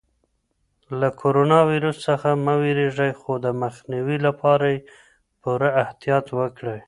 له کرونا ویروس څخه مه وېرېږئ خو د مخنیوي لپاره یې پوره احتیاط وکړئ.